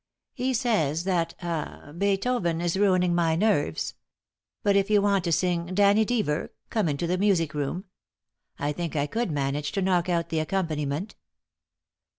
He says that ah Beethoven is ruining my nerves. But if you want to sing 'Danny Deever,' come into the music room. I think I could manage to knock out the accompaniment."